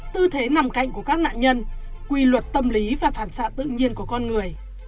tư thế nằm cạnh của các nạn nhân quy luật tâm lý và phản xạ tự nhiên của con người